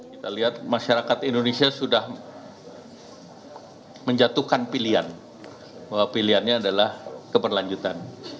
kita lihat masyarakat indonesia sudah menjatuhkan pilihan bahwa pilihannya adalah keberlanjutan